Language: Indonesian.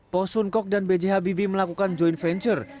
po sun kok dan b j habibi melakukan joint venture